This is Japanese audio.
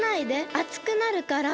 あつくなるから。